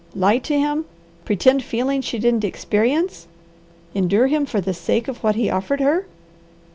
Lie to him! Pretend feeling she didn't experience. Endure him for the sake of what he offered her?